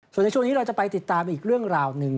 ส่วนในช่วงนี้เราจะไปติดตามอีกเรื่องราวหนึ่ง